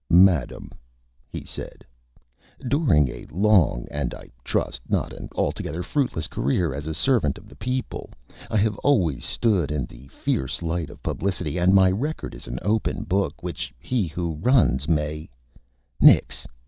"Madam," he said, "During a Long, and, I trust, a not altogether fruitless Career as a Servant of the Peepul, I have always stood in the Fierce Light of Publicity, and my Record is an Open Book which he who runs may " "Nix!